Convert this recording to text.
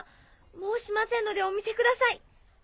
もうしませんのでお見せください。